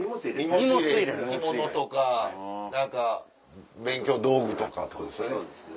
着物とか何か勉強道具とかってことですよね。